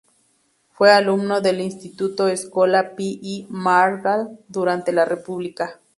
Fue alumno del Institut Escola Pi i Margall durante la República.